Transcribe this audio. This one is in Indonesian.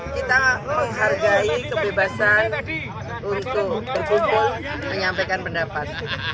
kita menghargai kebebasan untuk berkumpul menyampaikan pendapat